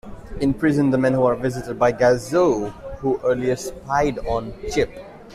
In prison, the men are visited by Gazoo, who earlier spied on Chip.